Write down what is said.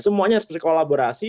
semuanya harus dikolaborasi